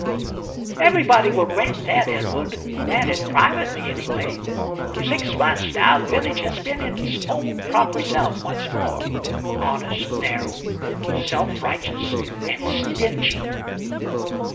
"Everybody will grant that, Edward grant it privately, anyway. For six months, now, the village has been its own proper self once more honest, narrow, self righteous, and stingy."